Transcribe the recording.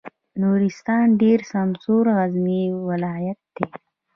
نورستان ډېر سمسور غرنی ولایت دی.